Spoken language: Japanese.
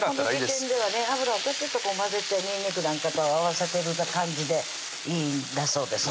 この時点ではね油をちょっちょっと混ぜてにんにくなんかと合わせてる感じでいいんだそうです